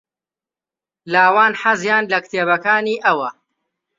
لاوان حەزیان لە کتێبەکانی ئەوە.